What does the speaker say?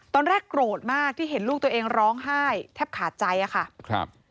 ตอนแรกโกรธมากที่เห็นลูกตัวเองร้องไห้แทบขาดใจอะค่ะครับ